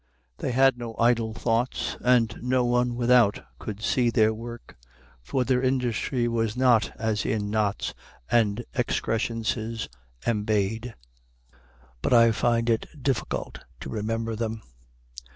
They had no idle thoughts, and no one without could see their work, for their industry was not as in knots and excrescences embayed. But I find it difficult to remember them.